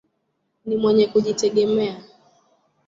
Ni mwenye kujitegemea.